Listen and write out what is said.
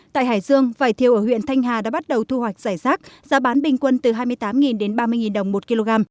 tại hải dương vải thiêu ở huyện thanh hà đã bắt đầu thu hoạch giải rác giá bán bình quân từ hai mươi tám đến ba mươi đồng một kg